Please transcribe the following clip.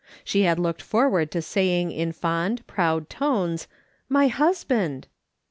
She had looked forward to say ing, in fond, proud tones, " My husband !